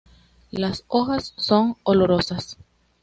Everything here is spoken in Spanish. Las hojas son olorosas.